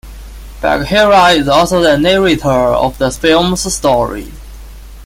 Bagheera is also the narrator of the film's story.